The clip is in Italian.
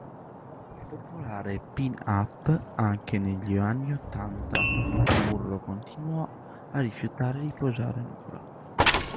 Popolare pin up anche negli anni ottanta, Munro continuò a rifiutare di posare nuda.